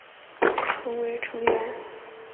曾为成员。